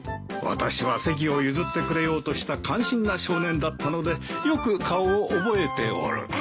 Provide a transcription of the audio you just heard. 私は席を譲ってくれようとした感心な少年だったのでよく顔を覚えておる。